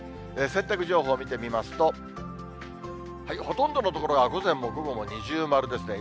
洗濯情報見てみますと、ほとんどの所が午前も午後も二重丸ですね。